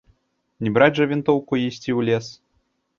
Не браць жа вінтоўку і ісці ў лес.